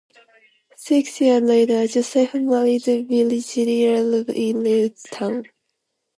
Six years later, Joseph married Virginia Erb in Lewistown.